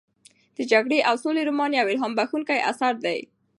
د جګړې او سولې رومان یو الهام بښونکی اثر دی.